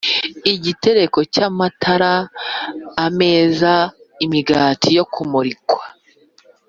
Igitereko cy amatara a n ameza b n imigatic yo kumurikwa